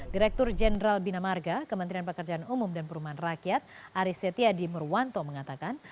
direktur jenderal bina marga kementerian pekerjaan umum dan perumahan rakyat aris setiadi murwanto mengatakan